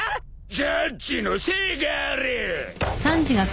ジャッジのせがれ！